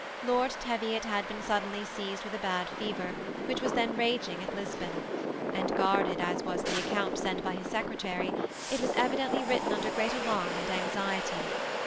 Lord Teviot had been suddenly seized with a bad fever which was then raging at Lisbon ; and guarded as was the account sent by his secretary, it was evidently written under great alarm and anxiety.